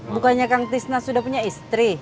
bukannya kang tisna sudah punya istri